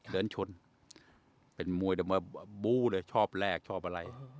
เดินชนเป็นมวยแต่มาบู้เลยชอบแรกชอบอะไร